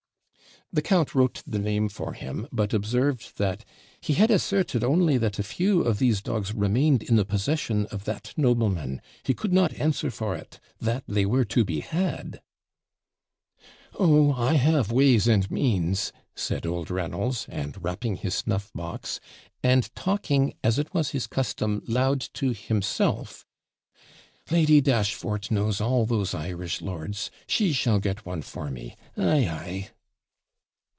The count wrote the name for him, but observed, that 'he had asserted only that a few of these dogs remained in the possession of that nobleman; he could not answer for it that they were TO BE HAD.' 'Oh, I have ways and means,' said old Reynolds; and, rapping his snuff box, and talking, as it was his custom, loud to himself, 'Lady Dashfort knows all those Irish lords; she shall get one for me ay! ay!'